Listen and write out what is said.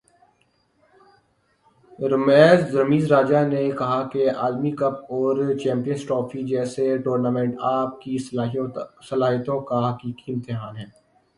رمیز راجہ نے کہا کہ عالمی کپ اور چیمپئنز ٹرافی جیسے ٹورنامنٹ آپ کی صلاحیتوں کا حقیقی امتحان ہیں